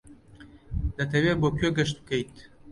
دەتەوێت بۆ کوێ گەشت بکەیت؟